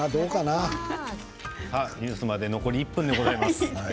ニュースまで残り１分でございます。